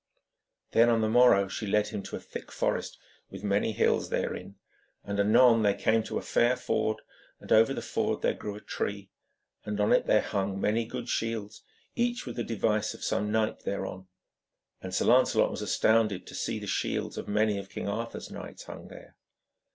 Then, on the morrow, she led him to a thick forest with many hills therein, and anon they came to a fair ford, and over the ford there grew a tree, and on it there hung many good shields, each with the device of some knight thereon, and Sir Lancelot was astounded to see the shields of many of King Arthur's knights hung there.